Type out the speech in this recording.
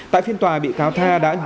tại phiên tòa bị cáo tha đã đưa thừa nhận